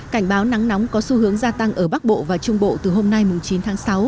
cảnh báo nắng nóng có xu hướng gia tăng ở bắc bộ và trung bộ từ hôm nay chín tháng sáu